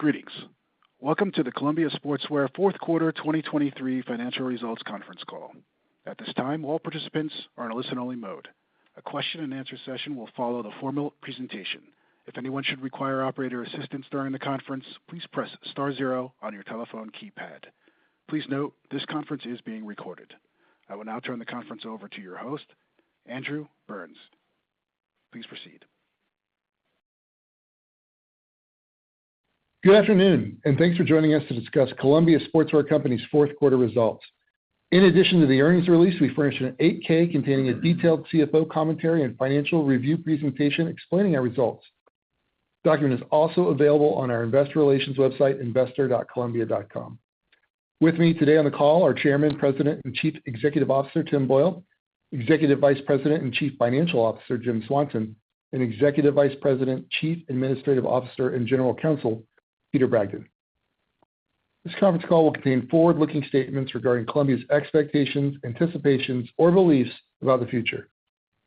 Greetings. Welcome to the Columbia Sportswear Fourth Quarter 2023 Financial Results Conference Call. At this time, all participants are in a listen-only mode. A question-and-answer session will follow the formal presentation. If anyone should require operator assistance during the conference, please press star zero on your telephone keypad. Please note, this conference is being recorded. I will now turn the conference over to your host, Andrew Burns. Please proceed. Good afternoon, and thanks for joining us to discuss Columbia Sportswear Company's fourth quarter results. In addition to the earnings release, we furnished an 8-K containing a detailed CFO commentary and financial review presentation explaining our results. The document is also available on our investor relations website, investor.columbia.com. With me today on the call are Chairman, President, and Chief Executive Officer, Tim Boyle, Executive Vice President and Chief Financial Officer, Jim Swanson, and Executive Vice President, Chief Administrative Officer, and General Counsel, Peter Bragdon. This conference call will contain forward-looking statements regarding Columbia's expectations, anticipations, or beliefs about the future.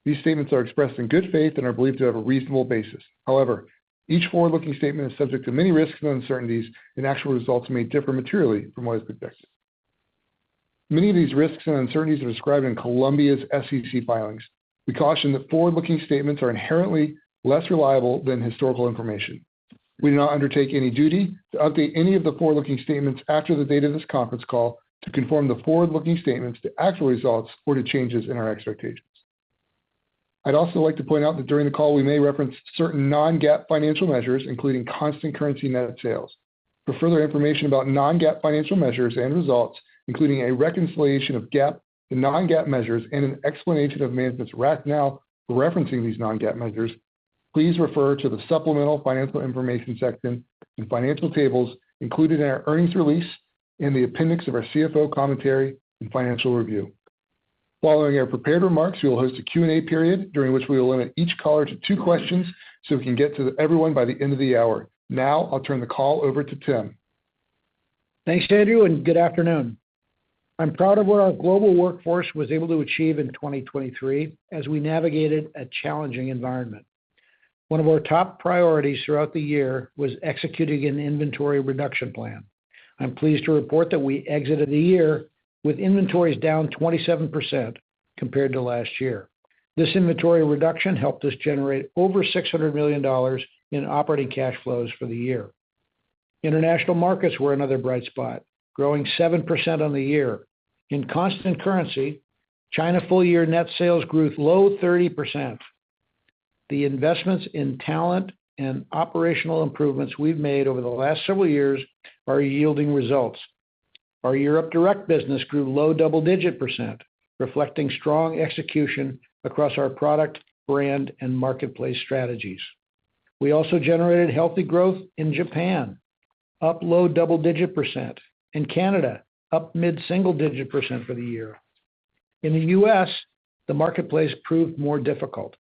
These statements are expressed in good faith and are believed to have a reasonable basis. However, each forward-looking statement is subject to many risks and uncertainties, and actual results may differ materially from what is predicted. Many of these risks and uncertainties are described in Columbia's SEC filings. We caution that forward-looking statements are inherently less reliable than historical information. We do not undertake any duty to update any of the forward-looking statements after the date of this conference call to conform the forward-looking statements to actual results or to changes in our expectations. I'd also like to point out that during the call, we may reference certain non-GAAP financial measures, including constant currency net sales. For further information about non-GAAP financial measures and results, including a reconciliation of GAAP to non-GAAP measures and an explanation of management's rationale for referencing these non-GAAP measures, please refer to the supplemental financial information section and financial tables included in our earnings release in the appendix of our CFO commentary and financial review. Following our prepared remarks, we will host a Q&A period during which we will limit each caller to two questions, so we can get to everyone by the end of the hour. Now I'll turn the call over to Tim. Thanks, Andrew, and good afternoon. I'm proud of what our global workforce was able to achieve in 2023 as we navigated a challenging environment. One of our top priorities throughout the year was executing an inventory reduction plan. I'm pleased to report that we exited the year with inventories down 27% compared to last year. This inventory reduction helped us generate over $600 million in operating cash flows for the year. International markets were another bright spot, growing 7% on the year. In constant currency, China full-year net sales grew low 30%. The investments in talent and operational improvements we've made over the last several years are yielding results. Our Europe-direct business grew low double-digit %, reflecting strong execution across our product, brand, and marketplace strategies. We also generated healthy growth in Japan, up low double-digit%, and Canada, up mid-single digit% for the year. In the U.S., the marketplace proved more difficult.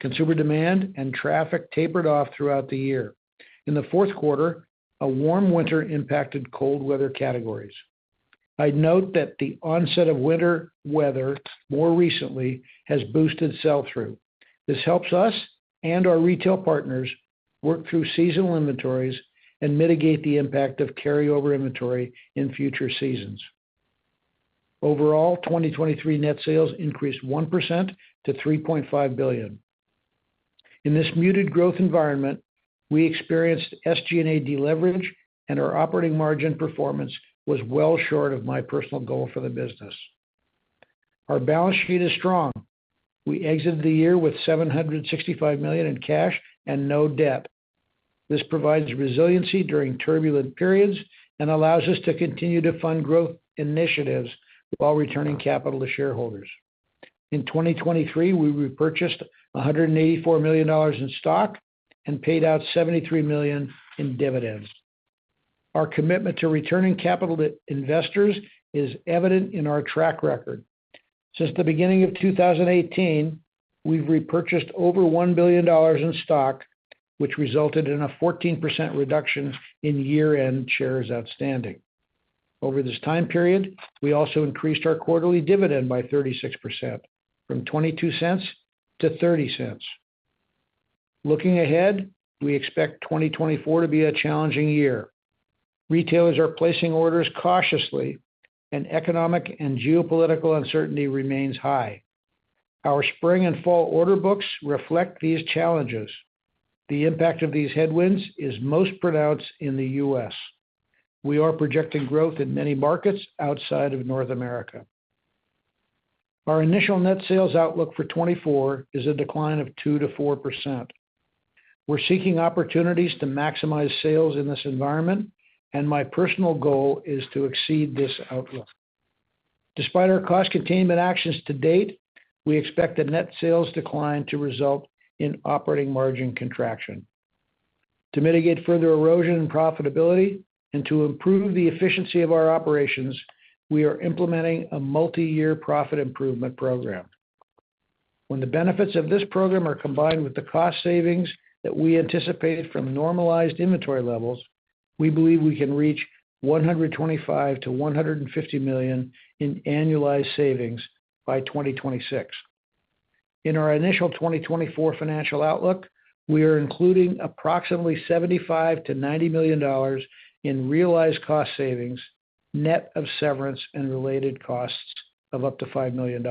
Consumer demand and traffic tapered off throughout the year. In the fourth quarter, a warm winter impacted cold weather categories. I'd note that the onset of winter weather more recently has boosted sell-through. This helps us and our retail partners work through seasonal inventories and mitigate the impact of carryover inventory in future seasons. Overall, 2023 net sales increased 1% to $3.5 billion. In this muted growth environment, we experienced SG&A deleverage, and our operating margin performance was well short of my personal goal for the business. Our balance sheet is strong. We exited the year with $765 million in cash and no debt. This provides resiliency during turbulent periods and allows us to continue to fund growth initiatives while returning capital to shareholders. In 2023, we repurchased $184 million in stock and paid out $73 million in dividends. Our commitment to returning capital to investors is evident in our track record. Since the beginning of 2018, we've repurchased over $1 billion in stock, which resulted in a 14% reduction in year-end shares outstanding. Over this time period, we also increased our quarterly dividend by 36%, from $0.22 to $0.30. Looking ahead, we expect 2024 to be a challenging year. Retailers are placing orders cautiously and economic and geopolitical uncertainty remains high. Our spring and fall order books reflect these challenges. The impact of these headwinds is most pronounced in the U.S. We are projecting growth in many markets outside of North America. Our initial net sales outlook for 2024 is a decline of 2%-4%. We're seeking opportunities to maximize sales in this environment, and my personal goal is to exceed this outlook. Despite our cost containment actions to date, we expect a net sales decline to result in operating margin contraction. To mitigate further erosion and profitability and to improve the efficiency of our operations, we are implementing a multi-year profit improvement program. When the benefits of this program are combined with the cost savings that we anticipate from normalized inventory levels, we believe we can reach $125 million-$150 million in annualized savings by 2026. In our initial 2024 financial outlook, we are including approximately $75 million-$90 million in realized cost savings, net of severance and related costs of up to $5 million.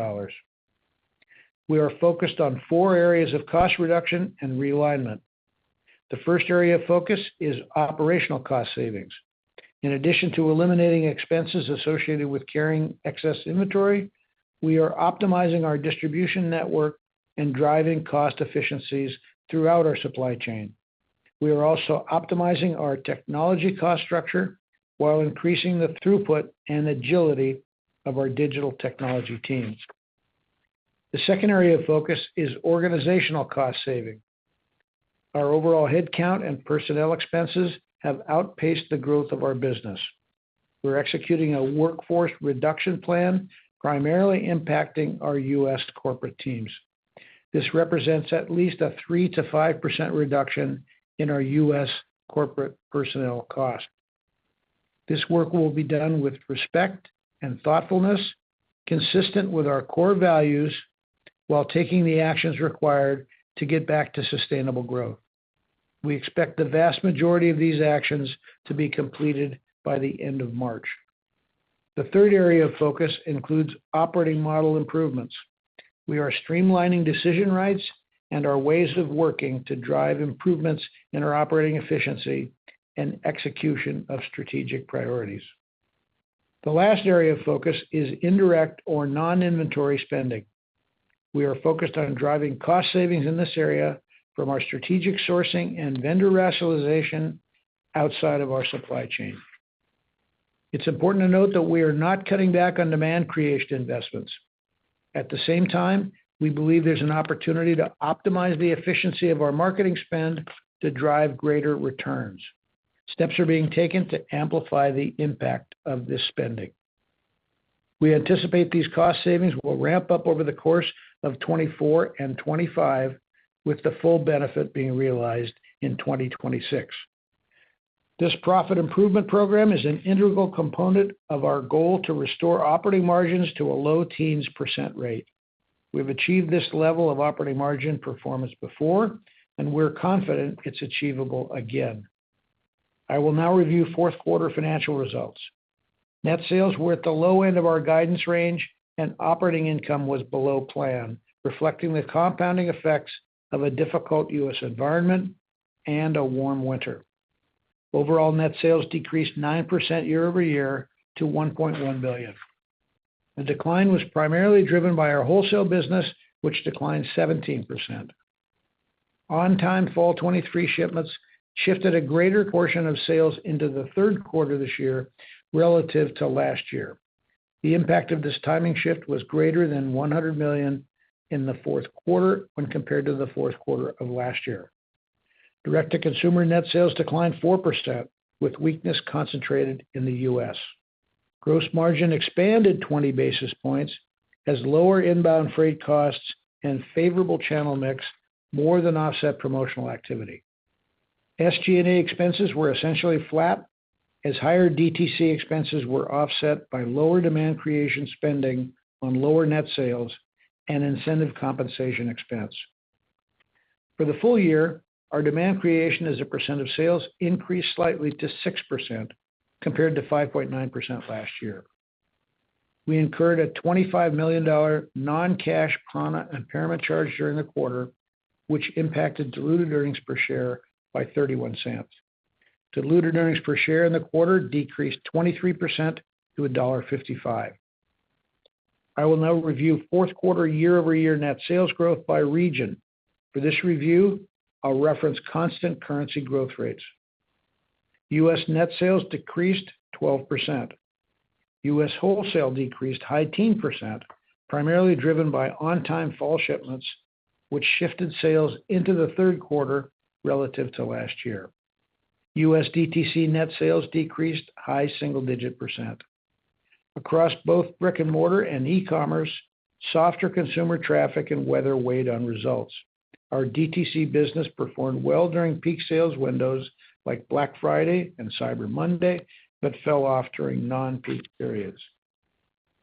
We are focused on 4 areas of cost reduction and realignment. The first area of focus is operational cost savings. In addition to eliminating expenses associated with carrying excess inventory, we are optimizing our distribution network and driving cost efficiencies throughout our supply chain. We are also optimizing our technology cost structure while increasing the throughput and agility of our digital technology teams. The second area of focus is organizational cost saving. Our overall headcount and personnel expenses have outpaced the growth of our business. We're executing a workforce reduction plan, primarily impacting our U.S. corporate teams. This represents at least a 3%-5% reduction in our U.S. corporate personnel costs. This work will be done with respect and thoughtfulness, consistent with our core values, while taking the actions required to get back to sustainable growth. We expect the vast majority of these actions to be completed by the end of March. The third area of focus includes operating model improvements. We are streamlining decision rights and our ways of working to drive improvements in our operating efficiency and execution of strategic priorities. The last area of focus is indirect or non-inventory spending. We are focused on driving cost savings in this area from our strategic sourcing and vendor rationalization outside of our supply chain. It's important to note that we are not cutting back on demand creation investments. At the same time, we believe there's an opportunity to optimize the efficiency of our marketing spend to drive greater returns. Steps are being taken to amplify the impact of this spending. We anticipate these cost savings will ramp up over the course of 2024 and 2025, with the full benefit being realized in 2026. This profit improvement program is an integral component of our goal to restore operating margins to a low teens % rate. We've achieved this level of operating margin performance before, and we're confident it's achievable again. I will now review fourth quarter financial results. Net sales were at the low end of our guidance range, and operating income was below plan, reflecting the compounding effects of a difficult U.S. environment and a warm winter. Overall, net sales decreased 9% year-over-year to $1.1 billion. The decline was primarily driven by our wholesale business, which declined 17%. On-time fall 2023 shipments shifted a greater portion of sales into the third quarter this year relative to last year. The impact of this timing shift was greater than $100 million in the fourth quarter when compared to the fourth quarter of last year. Direct-to-consumer net sales declined 4%, with weakness concentrated in the U.S. Gross margin expanded 20 basis points as lower inbound freight costs and favorable channel mix more than offset promotional activity. SG&A expenses were essentially flat, as higher DTC expenses were offset by lower demand creation spending on lower net sales and incentive compensation expense. For the full year, our demand creation as a percent of sales increased slightly to 6%, compared to 5.9% last year. We incurred a $25 million non-cash prAna impairment charge during the quarter, which impacted diluted earnings per share by $0.31. Diluted earnings per share in the quarter decreased 23% to $1.55. I will now review fourth quarter year-over-year net sales growth by region. For this review, I'll reference constant currency growth rates. U.S. net sales decreased 12%. U.S. wholesale decreased high teens percent, primarily driven by on-time fall shipments, which shifted sales into the third quarter relative to last year. U.S. DTC net sales decreased high single-digits percent. Across both brick-and-mortar and e-commerce, softer consumer traffic and weather weighed on results. Our DTC business performed well during peak sales windows like Black Friday and Cyber Monday, but fell off during non-peak periods.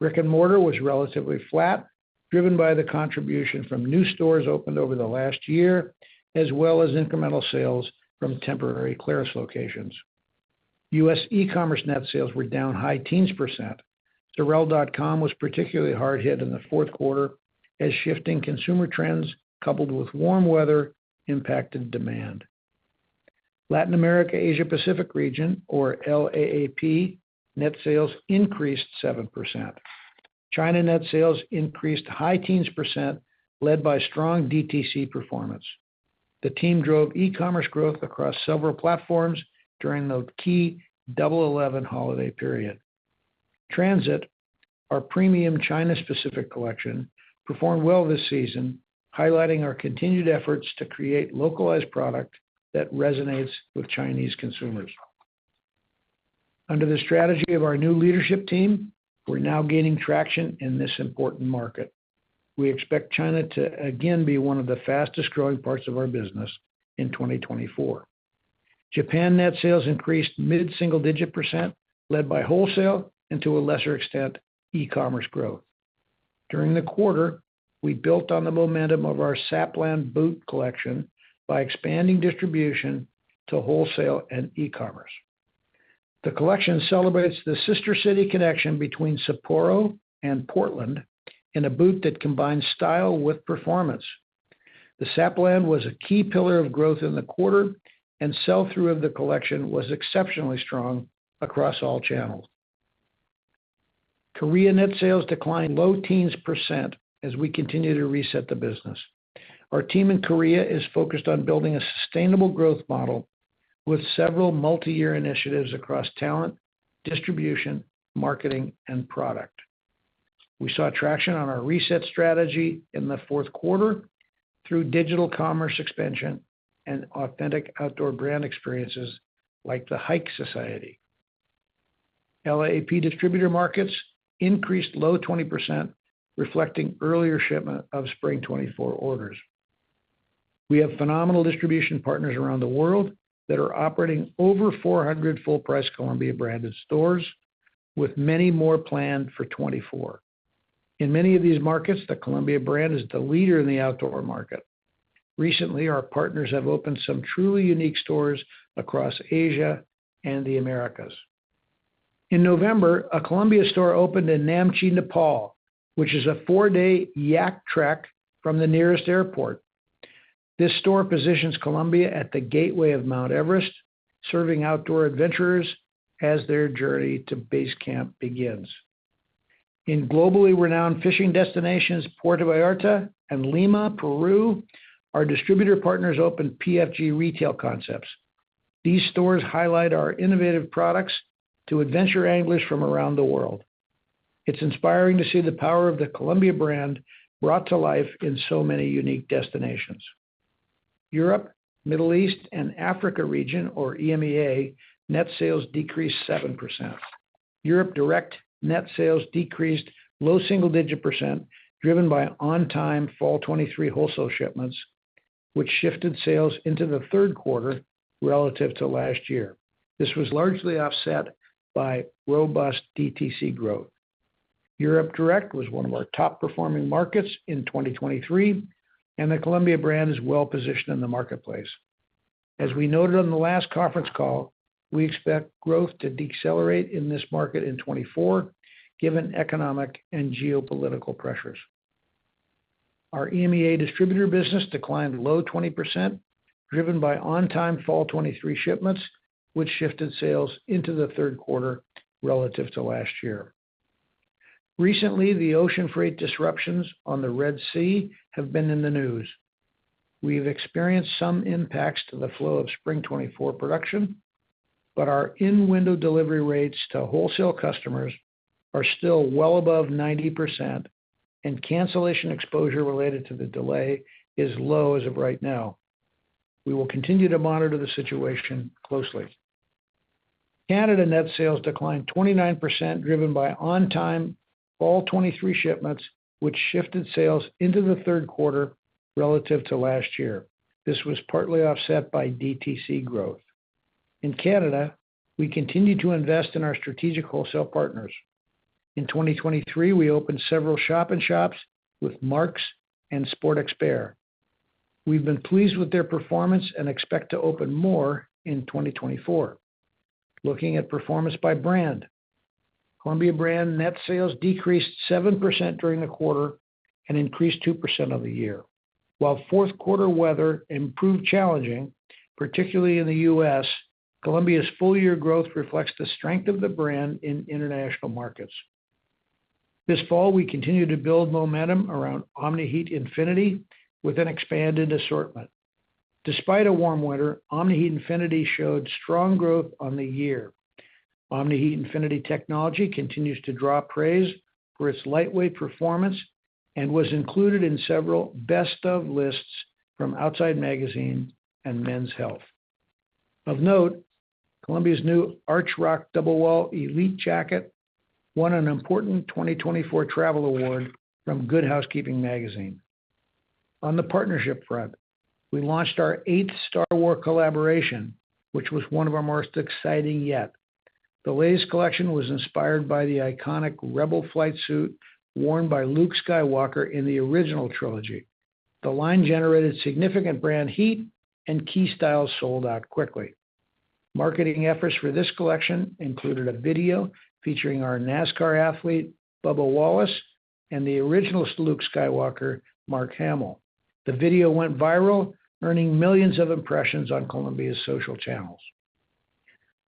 Brick-and-mortar was relatively flat, driven by the contribution from new stores opened over the last year, as well as incremental sales from temporary clearance locations. U.S. e-commerce net sales were down high teens percent. Sorel.com was particularly hard hit in the fourth quarter as shifting consumer trends, coupled with warm weather, impacted demand. Latin America, Asia Pacific region, or LAAP, net sales increased 7%. China net sales increased high teens %, led by strong DTC performance. The team drove e-commerce growth across several platforms during the key Double Eleven holiday period. Titan Pass, our premium China-specific collection, performed well this season, highlighting our continued efforts to create localized product that resonates with Chinese consumers. Under the strategy of our new leadership team, we're now gaining traction in this important market. We expect China to again be one of the fastest growing parts of our business in 2024.... Japan net sales increased mid-single-digit %, led by wholesale and, to a lesser extent, e-commerce growth. During the quarter, we built on the momentum of our Sapland boot collection by expanding distribution to wholesale and e-commerce. The collection celebrates the sister city connection between Sapporo and Portland in a boot that combines style with performance. The Sapland was a key pillar of growth in the quarter, and sell-through of the collection was exceptionally strong across all channels. Korea net sales declined low teens% as we continue to reset the business. Our team in Korea is focused on building a sustainable growth model with several multiyear initiatives across talent, distribution, marketing, and product. We saw traction on our reset strategy in the fourth quarter through digital commerce expansion and authentic outdoor brand experiences like the Hike Society. LAAP distributor markets increased low 20%, reflecting earlier shipment of spring 2024 orders. We have phenomenal distribution partners around the world that are operating over 400 full-price Columbia branded stores, with many more planned for 2024. In many of these markets, the Columbia brand is the leader in the outdoor market. Recently, our partners have opened some truly unique stores across Asia and the Americas. In November, a Columbia store opened in Namche, Nepal, which is a four-day yak trek from the nearest airport. This store positions Columbia at the gateway of Mount Everest, serving outdoor adventurers as their journey to base camp begins. In globally renowned fishing destinations, Puerto Vallarta and Lima, Peru, our distributor partners opened PFG retail concepts. These stores highlight our innovative products to adventure anglers from around the world. It's inspiring to see the power of the Columbia brand brought to life in so many unique destinations. Europe, Middle East, and Africa region, or EMEA, net sales decreased 7%. Europe direct net sales decreased low single-digit %, driven by on-time fall 2023 wholesale shipments, which shifted sales into the third quarter relative to last year. This was largely offset by robust DTC growth. Europe-direct was one of our top-performing markets in 2023, and the Columbia brand is well positioned in the marketplace. As we noted on the last conference call, we expect growth to decelerate in this market in 2024, given economic and geopolitical pressures. Our EMEA distributor business declined low 20%, driven by on-time fall 2023 shipments, which shifted sales into the third quarter relative to last year. Recently, the ocean freight disruptions on the Red Sea have been in the news. We've experienced some impacts to the flow of spring 2024 production, but our in-window delivery rates to wholesale customers are still well above 90%, and cancellation exposure related to the delay is low as of right now. We will continue to monitor the situation closely. Canada net sales declined 29%, driven by on-time fall 2023 shipments, which shifted sales into the third quarter relative to last year. This was partly offset by DTC growth. In Canada, we continued to invest in our strategic wholesale partners. In 2023, we opened several shop-in-shops with Marks and Sport Expert. We've been pleased with their performance and expect to open more in 2024. Looking at performance by brand. Columbia brand net sales decreased 7% during the quarter and increased 2% on the year. While fourth quarter weather improved, challenging particularly in the U.S., Columbia's full year growth reflects the strength of the brand in international markets. This fall, we continued to build momentum around Omni-Heat Infinity with an expanded assortment. Despite a warm winter, Omni-Heat Infinity showed strong growth on the year. Omni-Heat Infinity technology continues to draw praise for its lightweight performance and was included in several best-of lists from Outside Magazine and Men's Health. Of note, Columbia's new Arch Rock Double Wall Elite Jacket won an important 2024 travel award from Good Housekeeping magazine. On the partnership front, we launched our eighth Star Wars collaboration, which was one of our most exciting yet. The latest collection was inspired by the iconic rebel flight suit worn by Luke Skywalker in the original trilogy. The line generated significant brand heat and key styles sold out quickly. Marketing efforts for this collection included a video featuring our NASCAR athlete, Bubba Wallace, and the original Luke Skywalker, Mark Hamill. The video went viral, earning millions of impressions on Columbia's social channels.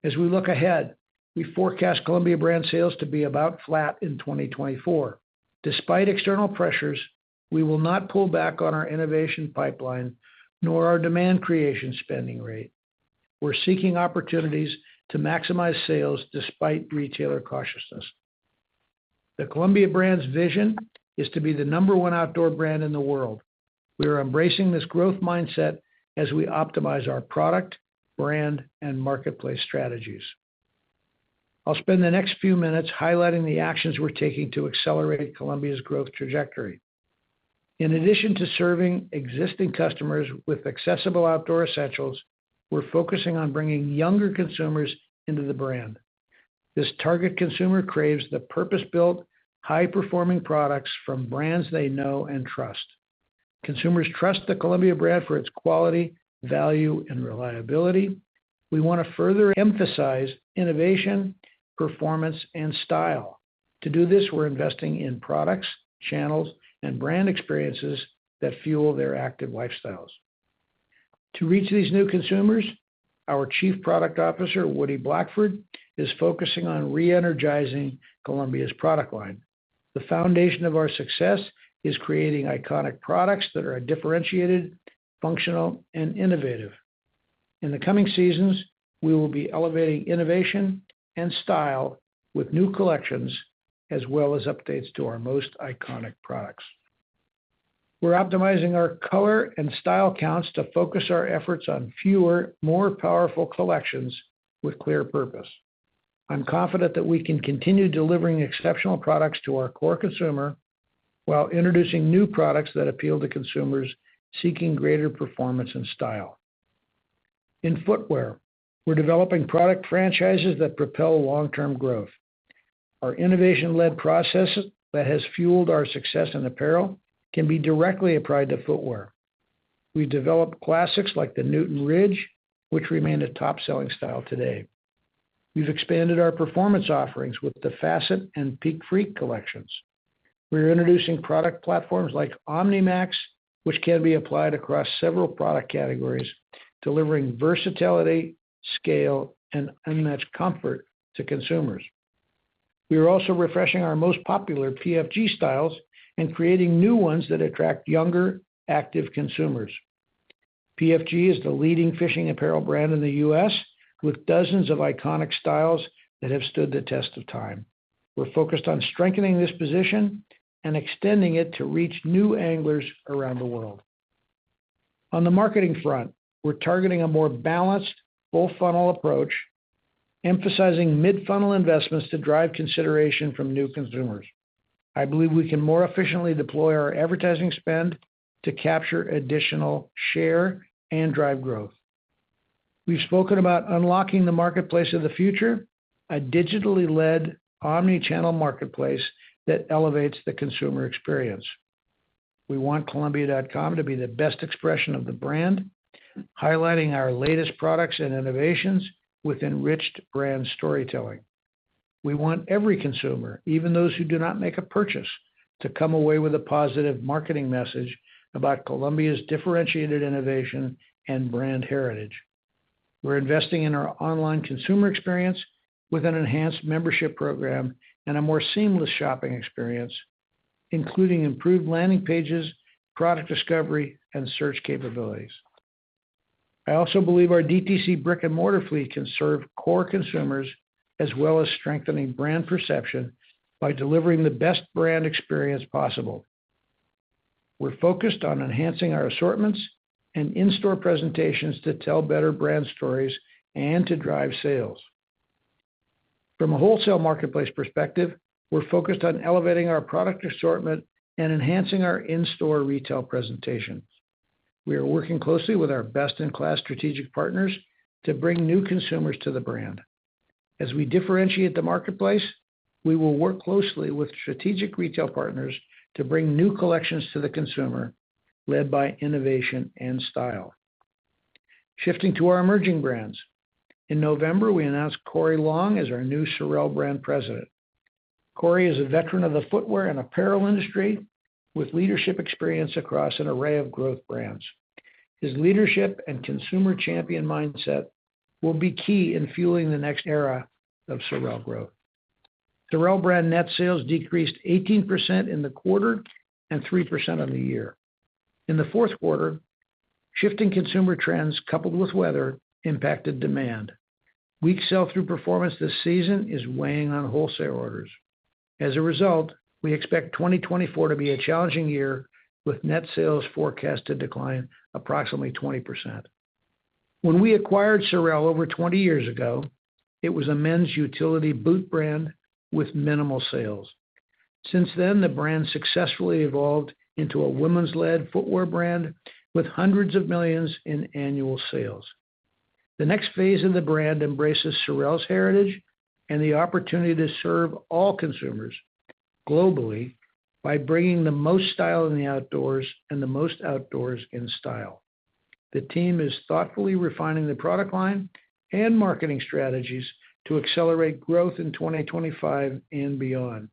As we look ahead, we forecast Columbia brand sales to be about flat in 2024. Despite external pressures, we will not pull back on our innovation pipeline, nor our demand creation spending rate. We're seeking opportunities to maximize sales despite retailer cautiousness. The Columbia brand's vision is to be the number one outdoor brand in the world. We are embracing this growth mindset as we optimize our product, brand, and marketplace strategies. I'll spend the next few minutes highlighting the actions we're taking to accelerate Columbia's growth trajectory. In addition to serving existing customers with accessible outdoor essentials, we're focusing on bringing younger consumers into the brand. This target consumer craves the purpose-built, high-performing products from brands they know and trust. Consumers trust the Columbia brand for its quality, value, and reliability. We want to further emphasize innovation, performance, and style. To do this, we're investing in products, channels, and brand experiences that fuel their active lifestyles. To reach these new consumers, our Chief Product Officer, Woody Blackford, is focusing on re-energizing Columbia's product line. The foundation of our success is creating iconic products that are differentiated, functional, and innovative. In the coming seasons, we will be elevating innovation and style with new collections, as well as updates to our most iconic products. We're optimizing our color and style counts to focus our efforts on fewer, more powerful collections with clear purpose. I'm confident that we can continue delivering exceptional products to our core consumer, while introducing new products that appeal to consumers seeking greater performance and style. In footwear, we're developing product franchises that propel long-term growth. Our innovation-led process that has fueled our success in apparel can be directly applied to footwear. We've developed classics like the Newton Ridge, which remain a top-selling style today. We've expanded our performance offerings with the Facet and Peakfreak collections. We're introducing product platforms like Omni-Max, which can be applied across several product categories, delivering versatility, scale, and unmatched comfort to consumers. We are also refreshing our most popular PFG styles and creating new ones that attract younger, active consumers. PFG is the leading fishing apparel brand in the U.S., with dozens of iconic styles that have stood the test of time. We're focused on strengthening this position and extending it to reach new anglers around the world. On the marketing front, we're targeting a more balanced, full-funnel approach, emphasizing mid-funnel investments to drive consideration from new consumers. I believe we can more efficiently deploy our advertising spend to capture additional share and drive growth. We've spoken about unlocking the marketplace of the future, a digitally led omni-channel marketplace that elevates the consumer experience. We want Columbia.com to be the best expression of the brand, highlighting our latest products and innovations with enriched brand storytelling. We want every consumer, even those who do not make a purchase, to come away with a positive marketing message about Columbia's differentiated innovation and brand heritage. We're investing in our online consumer experience with an enhanced membership program and a more seamless shopping experience, including improved landing pages, product discovery, and search capabilities. I also believe our DTC brick-and-mortar fleet can serve core consumers, as well as strengthening brand perception by delivering the best brand experience possible. We're focused on enhancing our assortments and in-store presentations to tell better brand stories and to drive sales. From a wholesale marketplace perspective, we're focused on elevating our product assortment and enhancing our in-store retail presentations. We are working closely with our best-in-class strategic partners to bring new consumers to the brand. As we differentiate the marketplace, we will work closely with strategic retail partners to bring new collections to the consumer, led by innovation and style. Shifting to our emerging brands. In November, we announced Cory Long as our new SOREL Brand President. Cory is a veteran of the footwear and apparel industry, with leadership experience across an array of growth brands. His leadership and consumer champion mindset will be key in fueling the next era of SOREL growth. SOREL brand net sales decreased 18% in the quarter and 3% on the year. In the fourth quarter, shifting consumer trends, coupled with weather, impacted demand. Weak sell-through performance this season is weighing on wholesale orders. As a result, we expect 2024 to be a challenging year, with net sales forecast to decline approximately 20%. When we acquired SOREL over 20 years ago, it was a men's utility boot brand with minimal sales. Since then, the brand successfully evolved into a women's-led footwear brand with hundreds of millions in annual sales. The next phase of the brand embraces SOREL's heritage and the opportunity to serve all consumers globally by bringing the most style in the outdoors and the most outdoors in style. The team is thoughtfully refining the product line and marketing strategies to accelerate growth in 2025 and beyond.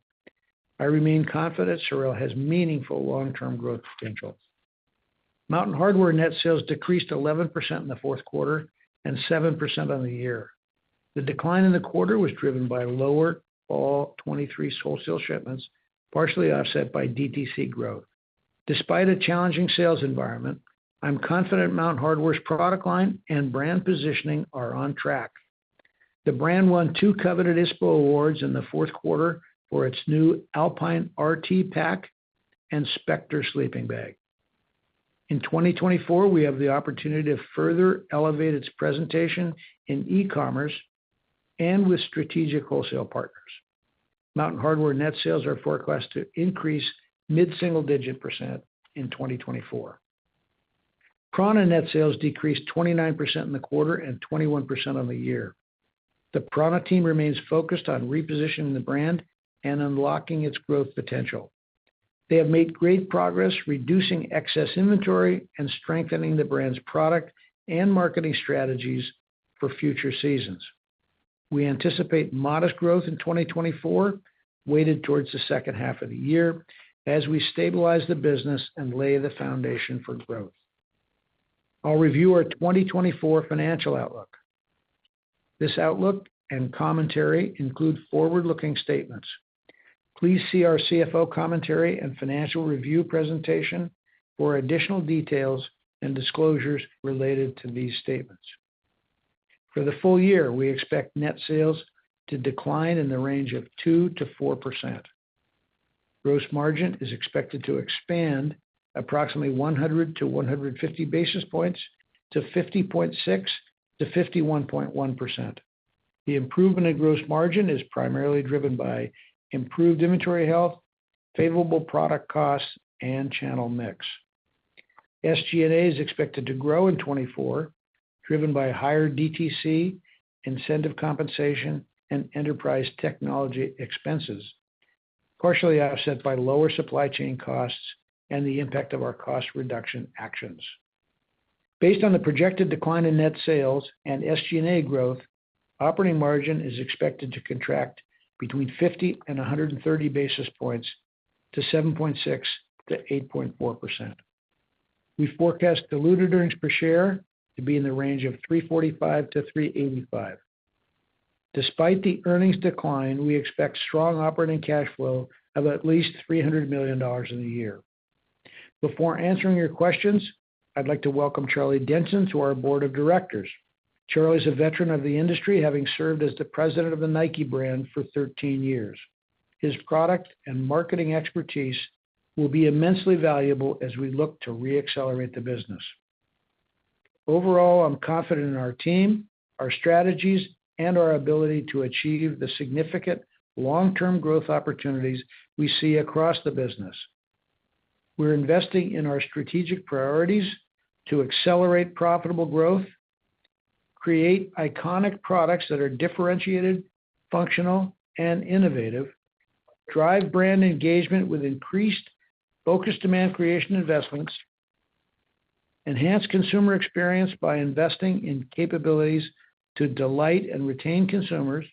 I remain confident SOREL has meaningful long-term growth potential. Mountain Hardwear net sales decreased 11% in the fourth quarter and 7% on the year. The decline in the quarter was driven by lower fall 2023 wholesale shipments, partially offset by DTC growth. Despite a challenging sales environment, I'm confident Mountain Hardwear's product line and brand positioning are on track. The brand won two coveted ISPO awards in the fourth quarter for its new Alpine RT Pack and Spectre Sleeping Bag. In 2024, we have the opportunity to further elevate its presentation in e-commerce and with strategic wholesale partners. Mountain Hardwear net sales are forecast to increase mid-single-digit % in 2024. prAna net sales decreased 29% in the quarter and 21% on the year. The prAna team remains focused on repositioning the brand and unlocking its growth potential. They have made great progress reducing excess inventory and strengthening the brand's product and marketing strategies for future seasons. We anticipate modest growth in 2024, weighted towards the second half of the year, as we stabilize the business and lay the foundation for growth. I'll review our 2024 financial outlook. This outlook and commentary include forward-looking statements. Please see our CFO commentary and financial review presentation for additional details and disclosures related to these statements. For the full year, we expect net sales to decline in the range of 2%-4%. Gross margin is expected to expand approximately 100-150 basis points to 50.6%-51.1%. The improvement in gross margin is primarily driven by improved inventory health, favorable product costs, and channel mix. SG&A is expected to grow in 2024, driven by higher DTC, incentive compensation, and enterprise technology expenses, partially offset by lower supply chain costs and the impact of our cost reduction actions. Based on the projected decline in net sales and SG&A growth, operating margin is expected to contract between 50 and 130 basis points to 7.6%-8.4%. We forecast diluted earnings per share to be in the range of $3.45-$3.85. Despite the earnings decline, we expect strong operating cash flow of at least $300 million in the year. Before answering your questions, I'd like to welcome Charlie Denson to our board of directors. Charlie is a veteran of the industry, having served as the president of the Nike brand for 13 years. His product and marketing expertise will be immensely valuable as we look to reaccelerate the business. Overall, I'm confident in our team, our strategies, and our ability to achieve the significant long-term growth opportunities we see across the business. We're investing in our strategic priorities to accelerate profitable growth, create iconic products that are differentiated, functional, and innovative, drive brand engagement with increased focus demand creation investments, enhance consumer experience by investing in capabilities to delight and retain consumers,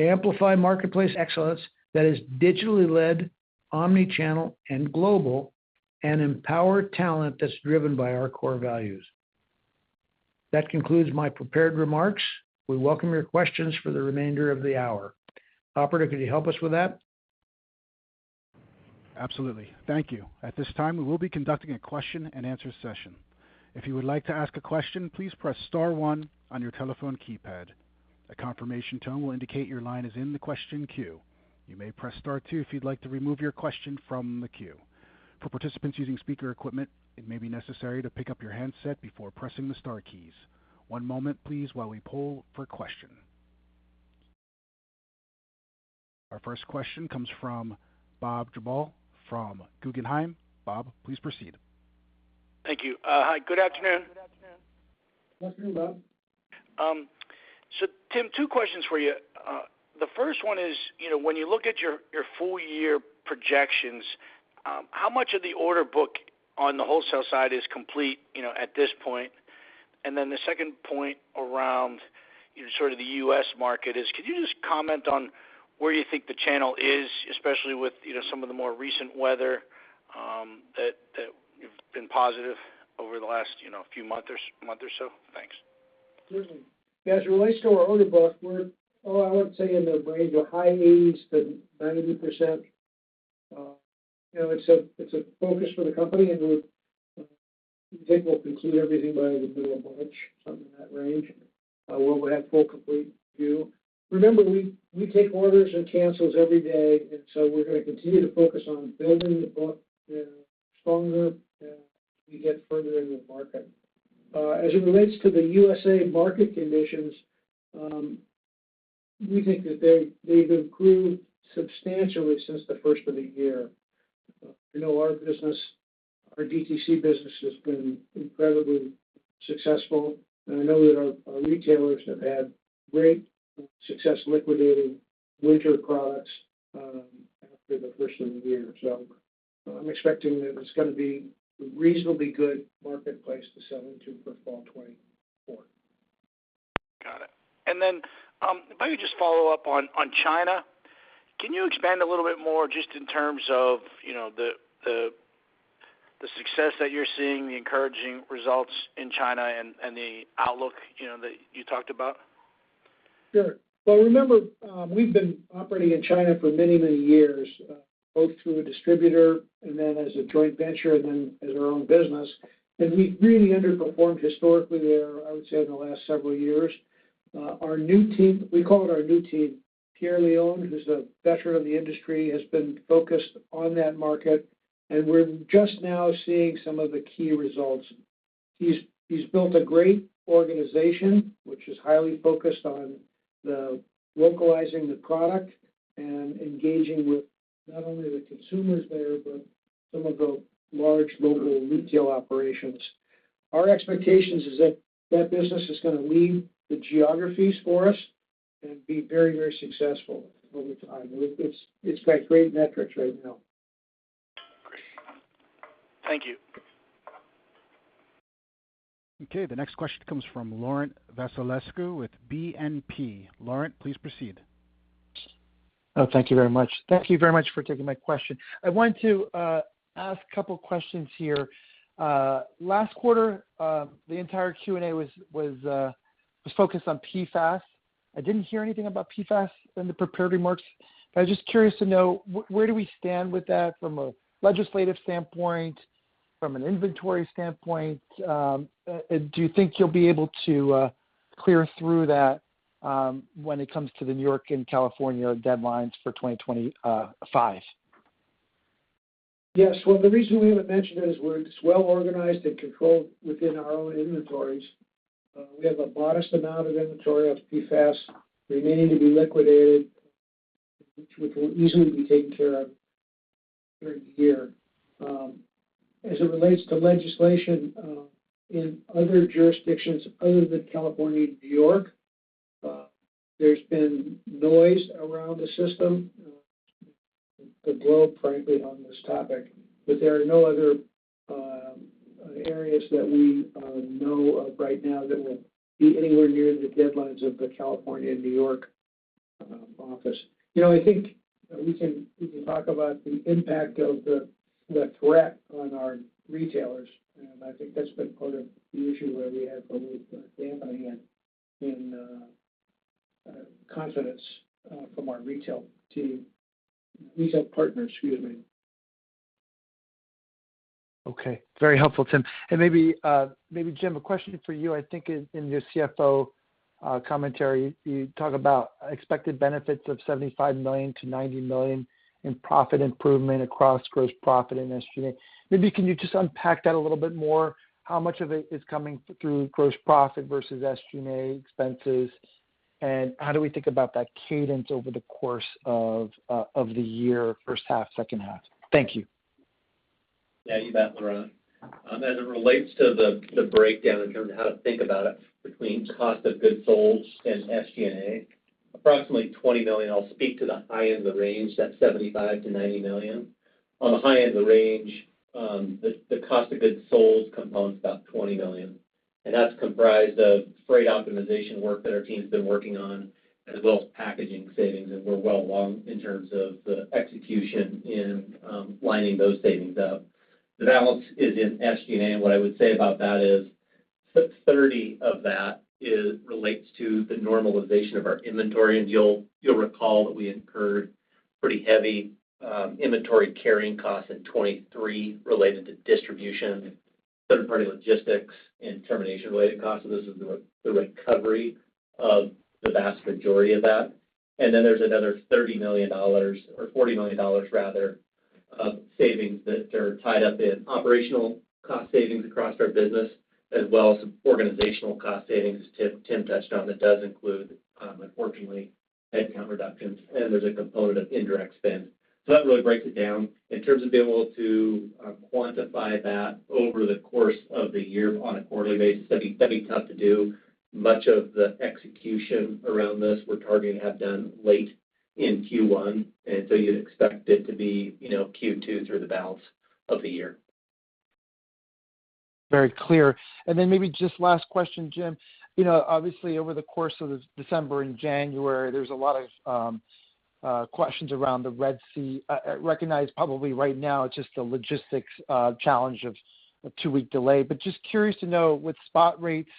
amplify marketplace excellence that is digitally led, omni-channel and global, and empower talent that's driven by our core values. That concludes my prepared remarks. We welcome your questions for the remainder of the hour. Operator, could you help us with that? Absolutely. Thank you. At this time, we will be conducting a question-and-answer session. If you would like to ask a question, please press star one on your telephone keypad. A confirmation tone will indicate your line is in the question queue. You may press star two if you'd like to remove your question from the queue. For participants using speaker equipment, it may be necessary to pick up your handset before pressing the star keys. One moment, please, while we poll for a question. Our first question comes from Bob Drbul from Guggenheim. Bob, please proceed. Thank you. Hi, good afternoon. Good afternoon, Bob. So Tim, two questions for you. The first one is, you know, when you look at your full year projections, how much of the order book on the wholesale side is complete, you know, at this point? And then the second point around sort of the U.S. market is, could you just comment on where you think the channel is, especially with, you know, some of the more recent weather, that you've been positive over the last, you know, few months or month or so? Thanks. Absolutely. As it relates to our order book, we're, oh, I would say in the range of high 80s-90%. You know, it's a focus for the company, and we think we'll conclude everything by the middle of March, somewhere in that range, where we'll have full complete view. Remember, we take orders and cancels every day, and so we're going to continue to focus on building the book stronger as we get further in the market. As it relates to the USA market conditions, we think that they, they've improved substantially since the first of the year. You know, our business, our DTC business has been incredibly successful, and I know that our retailers have had great success liquidating winter products after the first of the year. I'm expecting that it's going to be a reasonably good marketplace to sell into for fall 2024. Got it. And then, if I could just follow up on China. Can you expand a little bit more just in terms of, you know, the success that you're seeing, the encouraging results in China and the outlook, you know, that you talked about? Sure. Well, remember, we've been operating in China for many, many years, both through a distributor and then as a joint venture and then as our own business, and we've really underperformed historically there, I would say, in the last several years. ... Our new team, we call it our new team, Pierre Leone, who's a veteran of the industry, has been focused on that market, and we're just now seeing some of the key results. He's built a great organization, which is highly focused on the localizing the product and engaging with not only the consumers there, but some of the large local retail operations. Our expectations is that that business is going to lead the geographies for us and be very, very successful over time. It's got great metrics right now. Great. Thank you. Okay, the next question comes from Laurent Vasilescu with BNP. Laurent, please proceed. Oh, thank you very much. Thank you very much for taking my question. I wanted to ask a couple questions here. Last quarter, the entire Q&A was focused on PFAS. I didn't hear anything about PFAS in the prepared remarks. I was just curious to know, where do we stand with that from a legislative standpoint, from an inventory standpoint? Do you think you'll be able to clear through that, when it comes to the New York and California deadlines for 2025? Yes. Well, the reason we haven't mentioned it is we're, it's well organized and controlled within our own inventories. We have a modest amount of inventory of PFAS remaining to be liquidated, which will easily be taken care of during the year. As it relates to legislation, in other jurisdictions other than California and New York, there's been noise around the system, the globe, frankly, on this topic, but there are no other areas that we know of right now that will be anywhere near the deadlines of the California and New York office. You know, I think we can talk about the impact of the threat on our retailers, and I think that's been part of the issue where we have probably a dampening in confidence from our retail team, retail partners, excuse me. Okay. Very helpful, Tim. And maybe, maybe, Jim, a question for you. I think in, in your CFO commentary, you talk about expected benefits of $75 million-$90 million in profit improvement across gross profit and SG&A. Maybe can you just unpack that a little bit more? How much of it is coming through gross profit versus SG&A expenses, and how do we think about that cadence over the course of, of the year, first half, second half? Thank you. Yeah, you bet, Laurent. As it relates to the breakdown in terms of how to think about it between cost of goods sold and SG&A, approximately $20 million, I'll speak to the high end of the range, that's $75 million-$90 million. On the high end of the range, the cost of goods sold component is about $20 million, and that's comprised of freight optimization work that our team's been working on, as well as packaging savings, and we're well along in terms of the execution in lining those savings up. The balance is in SG&A, and what I would say about that is $30 million of that relates to the normalization of our inventory. You'll recall that we incurred pretty heavy inventory carrying costs in 2023 related to distribution, third-party logistics and termination-related costs. So this is the recovery of the vast majority of that. And then there's another $30 million, or $40 million rather, of savings that are tied up in operational cost savings across our business, as well as some organizational cost savings. Tim, Tim touched on that does include, unfortunately, headcount reductions, and there's a component of indirect spend. So that really breaks it down. In terms of being able to quantify that over the course of the year on a quarterly basis, that'd be, that'd be tough to do. Much of the execution around this, we're targeting to have done late in Q1, and so you'd expect it to be, you know, Q2 through the balance of the year. Very clear. And then maybe just last question, Jim. You know, obviously, over the course of December and January, there's a lot of questions around the Red Sea. I recognize probably right now it's just a logistics challenge of a two-week delay. But just curious to know, with spot rates,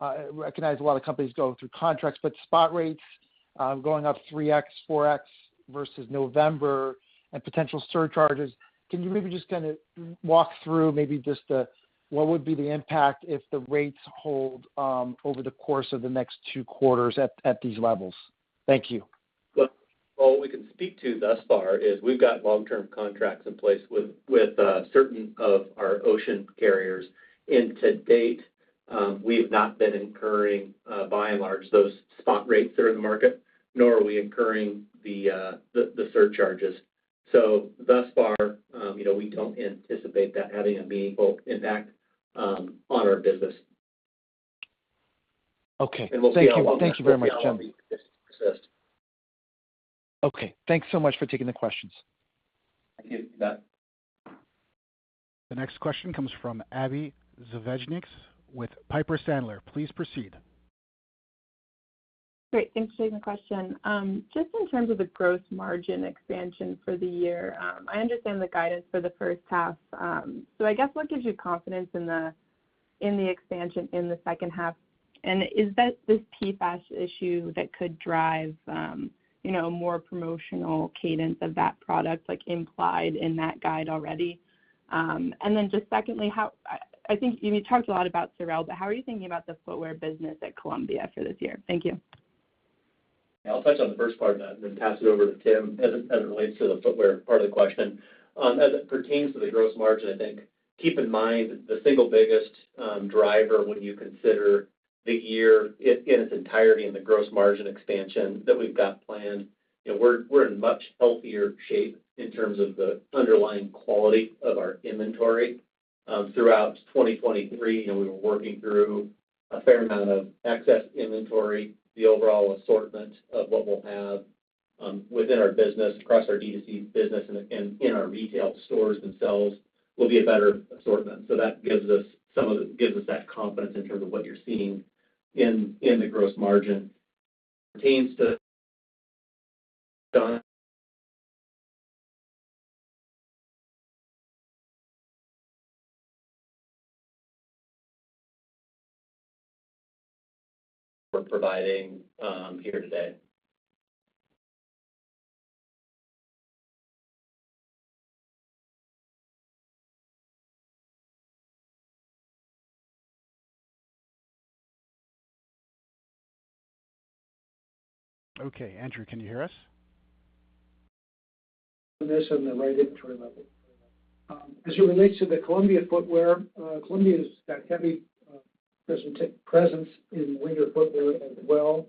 I recognize a lot of companies going through contracts, but spot rates going up 3x, 4x versus November and potential surcharges, can you maybe just kind of walk through maybe just the, what would be the impact if the rates hold over the course of the next two quarters at these levels? Thank you. Well, all we can speak to thus far is we've got long-term contracts in place with certain of our ocean carriers. To date, we've not been incurring by and large those spot rates that are in the market, nor are we incurring the surcharges. Thus far, you know, we don't anticipate that having a meaningful impact on our business. Okay. We'll see how long that- Thank you very much, Jim. Persist. Okay, thanks so much for taking the questions. Thank you for that. The next question comes from Abbie Zvejnieks with Piper Sandler. Please proceed. Great. Thanks for taking the question. Just in terms of the gross margin expansion for the year, I understand the guidance for the first half. So I guess what gives you confidence in the expansion in the second half? And is that this PFAS issue that could drive, you know, more promotional cadence of that product, like, implied in that guide already? And then just secondly, how I think you talked a lot about Sorel, but how are you thinking about the footwear business at Columbia for this year? Thank you. ... I'll touch on the first part of that and then pass it over to Tim as it relates to the footwear part of the question. As it pertains to the gross margin, I think keep in mind the single biggest driver when you consider the year in its entirety and the gross margin expansion that we've got planned. We're in much healthier shape in terms of the underlying quality of our inventory. Throughout 2023, you know, we were working through a fair amount of excess inventory. The overall assortment of what we'll have within our business, across our D2C business and in our retail stores themselves will be a better assortment. So that gives us that confidence in terms of what you're seeing in the gross margin. Pertains to the one we're providing here today. Okay, Andrew, can you hear us? This and the right inventory level. As it relates to the Columbia footwear, Columbia's got heavy presence in winter footwear as well.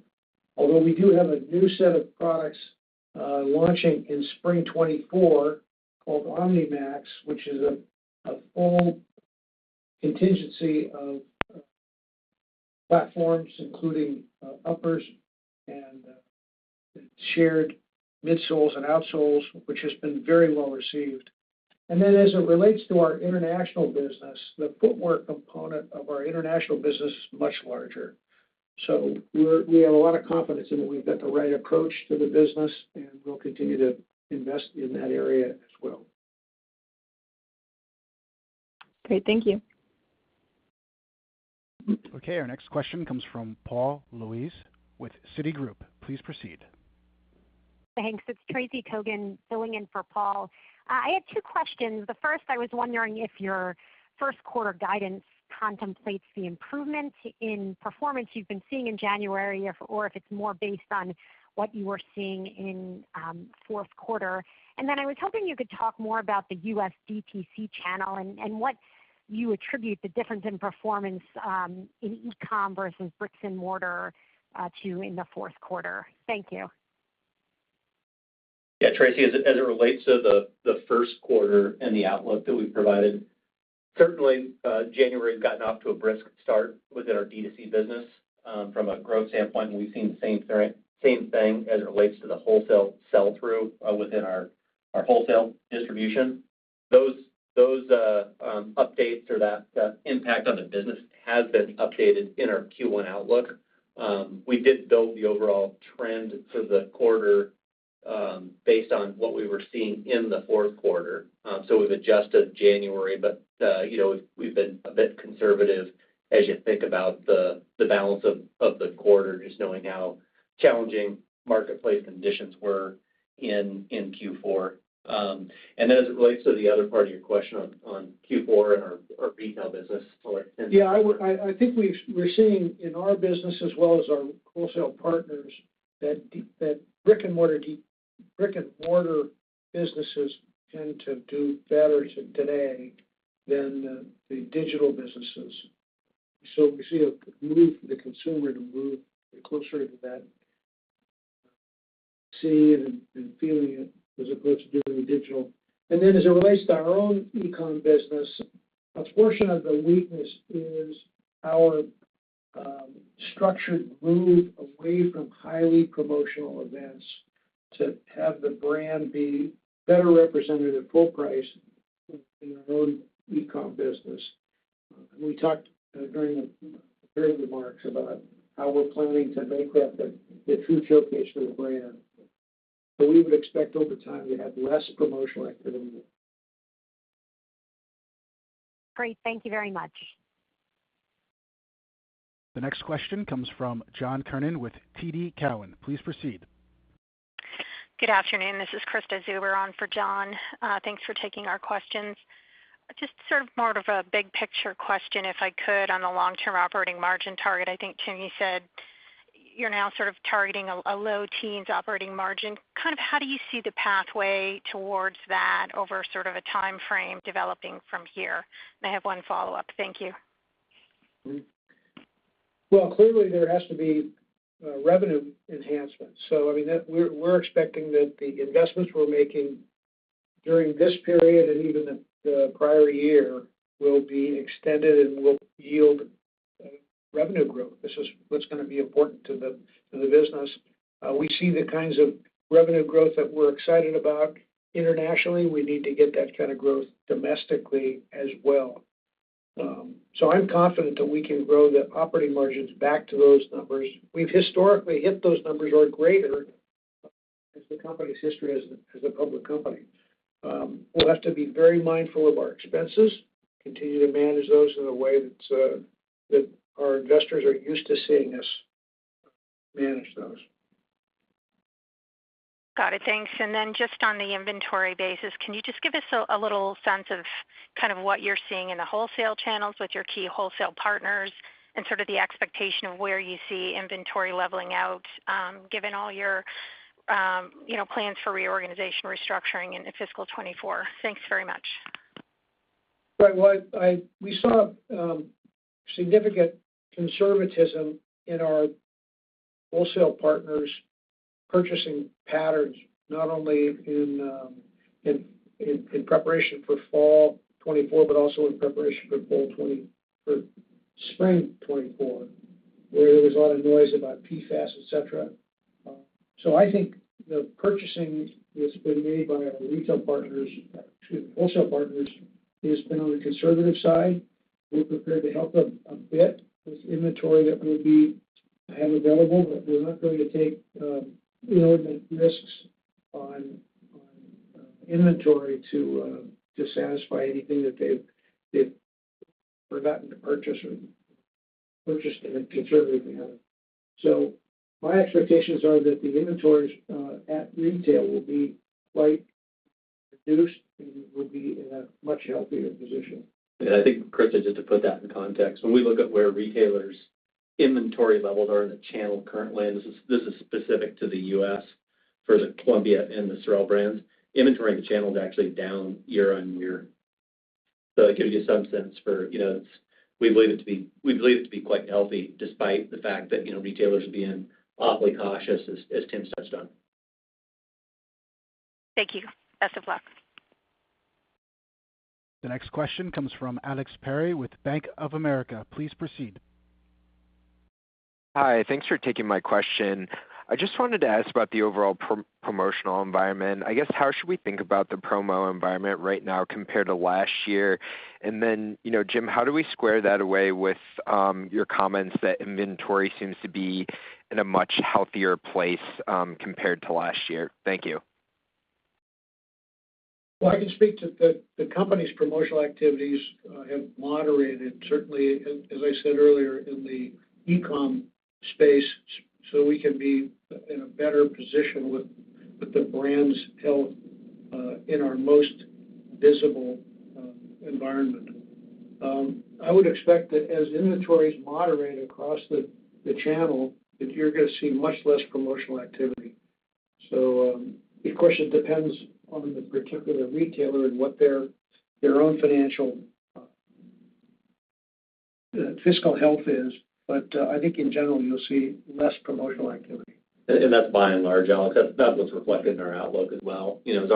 Although we do have a new set of products launching in spring 2024 called OmniMax, which is a full contingency of platforms, including uppers and shared midsoles and outsoles, which has been very well received. And then as it relates to our international business, the footwear component of our international business is much larger. So we have a lot of confidence in that we've got the right approach to the business, and we'll continue to invest in that area as well. Great. Thank you. Okay, our next question comes from Paul Lejuez with Citigroup. Please proceed. Thanks. It's Tracy Kogan filling in for Paul. I had two questions. The first, I was wondering if your first quarter guidance contemplates the improvement in performance you've been seeing in January, or if it's more based on what you were seeing in fourth quarter. And then I was hoping you could talk more about the US DTC channel and what you attribute the difference in performance in e-com versus bricks and mortar to in the fourth quarter. Thank you. Yeah, Tracy, as it relates to the first quarter and the outlook that we've provided, certainly, January has gotten off to a brisk start within our D2C business. From a growth standpoint, we've seen the same thing as it relates to the wholesale sell-through within our wholesale distribution. Those updates or that impact on the business has been updated in our Q1 outlook. We did build the overall trend for the quarter based on what we were seeing in the fourth quarter. So we've adjusted January, but you know, we've been a bit conservative as you think about the balance of the quarter, just knowing how challenging marketplace conditions were in Q4. And then as it relates to the other part of your question on Q4 and our retail business or- Yeah, I would, I think we're seeing in our business as well as our wholesale partners, that brick-and-mortar businesses tend to do better today than the digital businesses. So we see a move for the consumer to move closer to that, seeing and feeling it, as opposed to doing it digital. And then as it relates to our own e-com business, a portion of the weakness is our structured move away from highly promotional events to have the brand be better represented at full price in our own e-com business. We talked during the remarks about how we're planning to make that the true showcase for the brand, but we would expect over time to have less promotional activity. Great. Thank you very much. The next question comes from John Kernan with TD Cowen. Please proceed. Good afternoon. This is Krista Zuber on for John. Thanks for taking our questions. Just sort of more of a big picture question, if I could, on the long-term operating margin target. I think, Tim, you said you're now sort of targeting a low teens operating margin. Kind of how do you see the pathway towards that over sort of a time frame developing from here? I have one follow-up. Thank you. Well, clearly, there has to be revenue enhancement. So I mean, we're expecting that the investments we're making during this period and even the prior year will be extended and will yield revenue growth. This is what's going to be important to the business. We see the kinds of revenue growth that we're excited about internationally. We need to get that kind of growth domestically as well. So I'm confident that we can grow the operating margins back to those numbers. We've historically hit those numbers or greater as the company's history as a public company. We'll have to be very mindful of our expenses, continue to manage those in a way that our investors are used to seeing us manage those. ... Got it. Thanks. And then just on the inventory basis, can you just give us a little sense of kind of what you're seeing in the wholesale channels with your key wholesale partners and sort of the expectation of where you see inventory leveling out, given all your, you know, plans for reorganization, restructuring in the fiscal 2024? Thanks very much. Right. Well, I-- we saw significant conservatism in our wholesale partners' purchasing patterns, not only in preparation for fall 2024, but also in preparation for spring 2024, where there was a lot of noise about PFAS, et cetera. So I think the purchasing that's been made by our retail partners, excuse me, wholesale partners, has been on the conservative side. We're prepared to help them a bit with inventory that we have available, but we're not going to take inordinate risks on inventory to satisfy anything that they've forgotten to purchase or purchased in a conservative manner. So my expectations are that the inventories at retail will be quite reduced and will be in a much healthier position. I think, Krista, just to put that in context, when we look at where retailers' inventory levels are in the channel currently, and this is, this is specific to the U.S. for the Columbia and the SOREL brands, inventory in the channel is actually down year-over-year. So it gives you some sense for, you know, it's... We believe it to be—we believe it to be quite healthy, despite the fact that, you know, retailers are being awfully cautious, as, as Tim touched on. Thank you. Best of luck. The next question comes from Alex Perry with Bank of America. Please proceed. Hi. Thanks for taking my question. I just wanted to ask about the overall promotional environment. I guess, how should we think about the promo environment right now compared to last year? And then, you know, Jim, how do we square that away with your comments that inventory seems to be in a much healthier place compared to last year? Thank you. Well, I can speak to the company's promotional activities have moderated, certainly, as I said earlier, in the e-com space, so we can be in a better position with the brand's health in our most visible environment. I would expect that as inventories moderate across the channel, that you're gonna see much less promotional activity. So, of course, it depends on the particular retailer and what their own financial fiscal health is. But, I think in general, you'll see less promotional activity. And that's by and large, Alex, that's what's reflected in our outlook as well. You know, as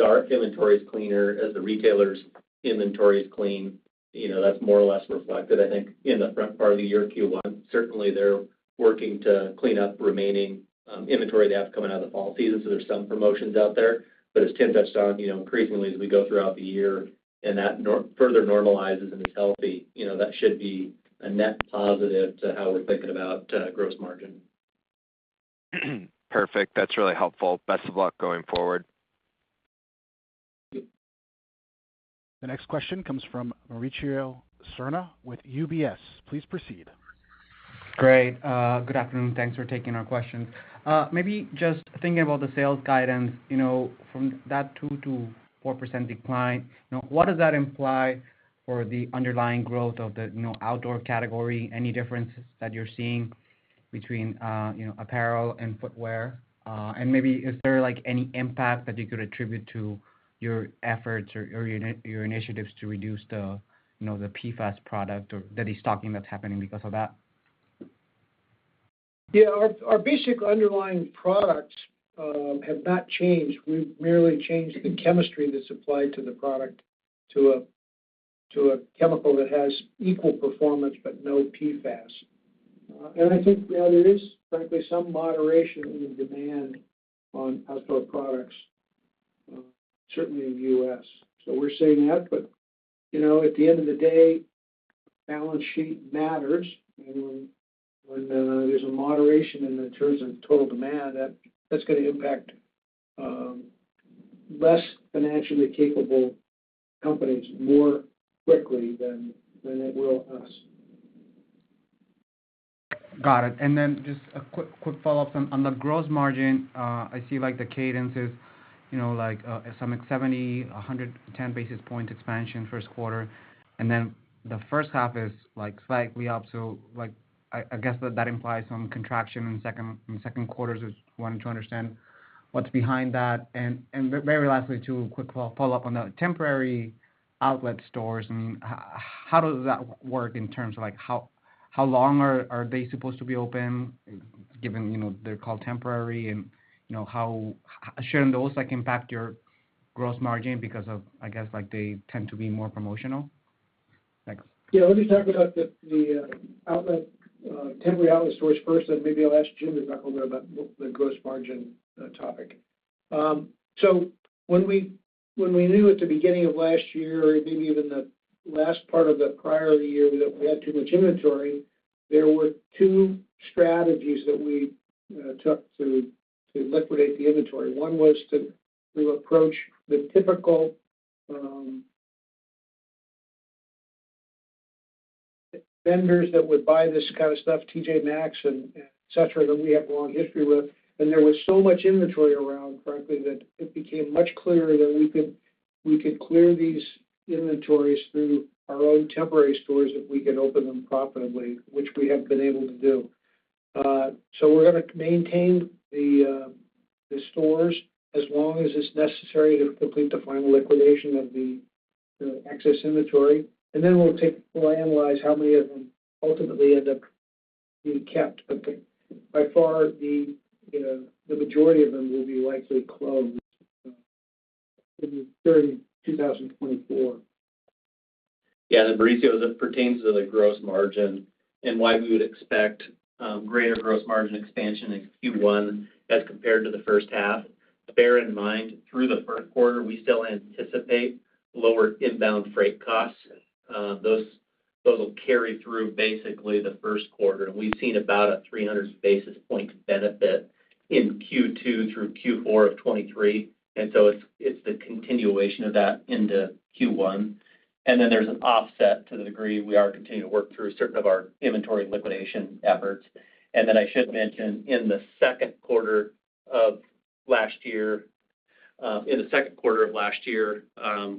our inventory is cleaner, as the retailer's inventory is clean, you know, that's more or less reflected, I think, in the front part of the year, Q1. Certainly, they're working to clean up remaining inventory they have coming out of the fall season, so there's some promotions out there. But as Tim touched on, you know, increasingly as we go throughout the year and that further normalizes and is healthy, you know, that should be a net positive to how we're thinking about gross margin. Perfect. That's really helpful. Best of luck going forward. The next question comes from Mauricio Serna with UBS. Please proceed. Great. Good afternoon. Thanks for taking our question. Maybe just thinking about the sales guidance, you know, from that 2%-4% decline, you know, what does that imply for the underlying growth of the, you know, outdoor category? Any differences that you're seeing between, you know, apparel and footwear? And maybe is there, like, any impact that you could attribute to your efforts or, or your, your initiatives to reduce the, you know, the PFAS product or that is stocking that's happening because of that? Yeah. Our basic underlying products have not changed. We've merely changed the chemistry that's applied to the product to a chemical that has equal performance but no PFAS. And I think, yeah, there is frankly some moderation in the demand on outdoor products, certainly in the U.S. So we're seeing that but, you know, at the end of the day, balance sheet matters, and when there's a moderation in the terms of total demand, that's gonna impact less financially capable companies more quickly than it will us. Got it. And then just a quick, quick follow-up. On the gross margin, I see like the cadences, you know, like, some 70, 110 basis point expansion first quarter, and then the first half is, like, slightly up. So, like, I guess that implies some contraction in second quarter. Just wanted to understand what's behind that. And very lastly, two quick follow-up on the temporary outlet stores. I mean, how does that work in terms of, like, how long are they supposed to be open, given, you know, they're called temporary? And, you know, shouldn't those, like, impact your gross margin because of, I guess, like, they tend to be more promotional? Thanks. Yeah. Let me talk about the temporary outlet stores first, and maybe I'll ask Jim to talk a little about the gross margin topic. So when we knew at the beginning of last year, or maybe even the last part of the prior year, that we had too much inventory, there were two strategies that we took to liquidate the inventory. One was to approach the typical vendors that would buy this kind of stuff, T.J. Maxx and et cetera, that we have a long history with. And there was so much inventory around, frankly, that it became much clearer that we could clear these inventories through our own temporary stores if we could open them profitably, which we have been able to do. So we're going to maintain the stores as long as it's necessary to complete the final liquidation of the excess inventory, and then we'll analyze how many of them ultimately end up being kept. But by far, the majority of them will be likely closed in 2024. Yeah, Mauricio, as it pertains to the gross margin and why we would expect greater gross margin expansion in Q1 as compared to the first half. Bear in mind, through the first quarter, we still anticipate lower inbound freight costs. Those will carry through basically the first quarter. We've seen about a 300 basis points benefit in Q2 through Q4 of 2023, and so it's the continuation of that into Q1. And then there's an offset to the degree we are continuing to work through certain of our inventory liquidation efforts. And then I should mention, in the second quarter of last year,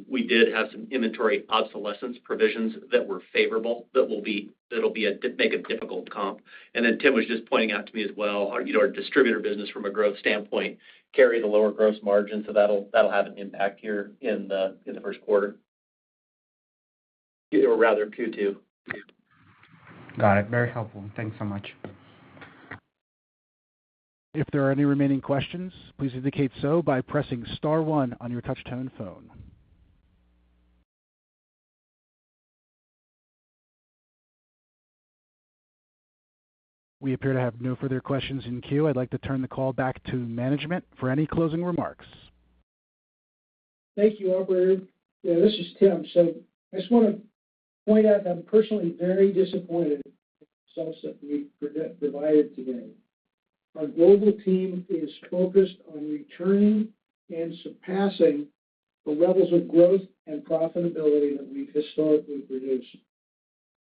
we did have some inventory obsolescence provisions that were favorable. That'll make a difficult comp. Then Tim was just pointing out to me as well, our, you know, our distributor business from a growth standpoint, carry the lower gross margin, so that'll have an impact here in the first quarter, or rather Q2. Got it. Very helpful. Thanks so much. If there are any remaining questions, please indicate so by pressing star one on your touchtone phone. We appear to have no further questions in queue. I'd like to turn the call back to management for any closing remarks. Thank you, operator. Yeah, this is Tim. So I just want to point out that I'm personally very disappointed in the results that we provided today. Our global team is focused on returning and surpassing the levels of growth and profitability that we've historically produced.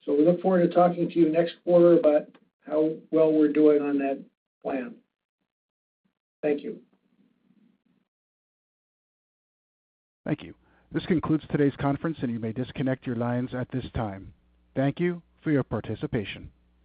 So we look forward to talking to you next quarter about how well we're doing on that plan. Thank you. Thank you. This concludes today's conference, and you may disconnect your lines at this time. Thank you for your participation.